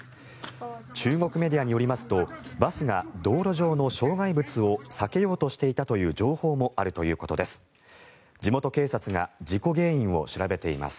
中国メディアによりますとバスが道路上の障害物を避けようとしていたという情報もあるということです。